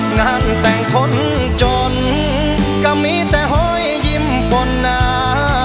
งานแต่งคนจนก็มีแต่หอยยิ้มปนหนา